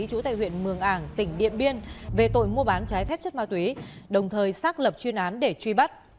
chủ tại huyện mường ảng tỉnh điện biên về tội mua bán trái phép chất ma túy đồng thời xác lập chuyên án để truy bắt